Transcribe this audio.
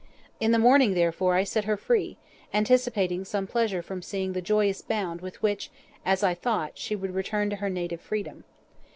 In the morning, therefore, I set her free, anticipating some pleasure from seeing the joyous bound with which, as I thought, she would return to her native freedom.